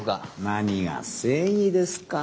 何が正義ですか。